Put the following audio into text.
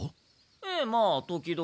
ええまあ時々。